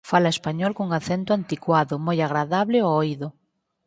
Fala español cun acento anticuado moi agradable ó oído.